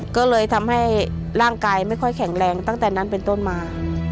ก็เลยทำให้ร่างกายไม่ค่อยแข็งแรงตั้งแต่นั้นเป็นต้นมา